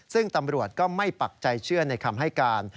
ซึ่งตำรวจก็ไม่ปักใจเชื่อในคำให้การ